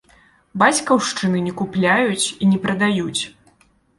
Бацькаўшчыны не купляюць і не прадаюць